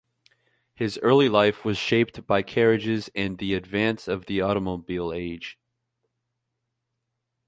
His early life was shaped by carriages and the advance of the automobile age.